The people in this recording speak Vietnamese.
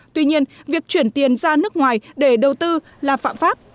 tuy nhiên việc chuyển tiền ra nước ngoài để đầu tư là phạm pháp